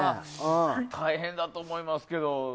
大変だと思いますけど。